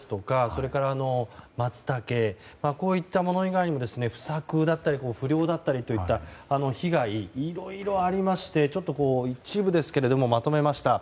それからマツタケこういったもの以外にも不作だったり不漁だったりといった被害がいろいろありまして一部ですけどもまとめました。